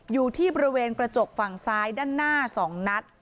อยู่ที่บริเวณกระจกฝั่งซ้ายด้านหน้า๒นัด